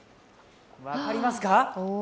分かりますか？